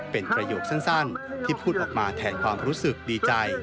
เป็นประโยคสั้นที่พูดออกมาแทนความรู้สึกดีใจ